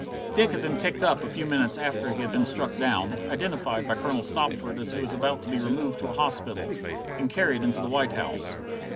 Dick had been picked up a few minutes after he had been struck down, identified by Colonel Stopford as he was about to be removed to a hospital, and carried into the White House.